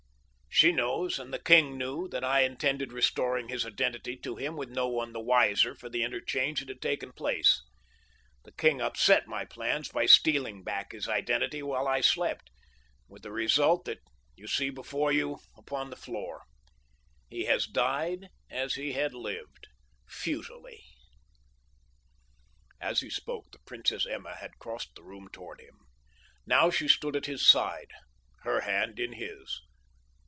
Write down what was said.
She knows and the king knew that I intended restoring his identity to him with no one the wiser for the interchange that had taken place. The king upset my plans by stealing back his identity while I slept, with the result that you see before you upon the floor. He has died as he had lived—futilely." As he spoke the Princess Emma had crossed the room toward him. Now she stood at his side, her hand in his.